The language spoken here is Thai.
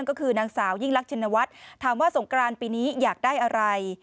ก็คือนางสาวยิ่งรักชินวัฒน์ถามว่าสงกรานปีนี้อยากได้อะไร